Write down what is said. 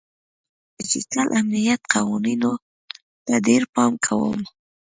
زه د ډیجیټل امنیت قوانینو ته ډیر پام کوم.